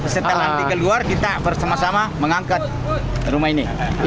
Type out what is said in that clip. setelah nanti keluar kita bersama sama mengangkat rumah ini